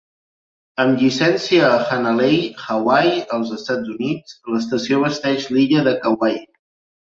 Amb llicencia a Hanalei, Hawaii, als Estats Units, l'estació abasteix l'illa de Kauai.